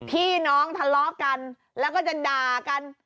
พี่น้องทะเลาะกันแล้วก็จะด่ากัน